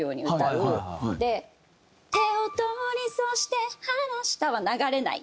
で「手を取りそして離した」は流れない。